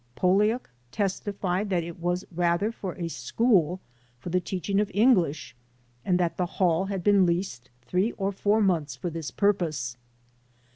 * Poliuk testified that it was rather for a school for the teaching of English and that the hall had been leased three or four months for this pur pose.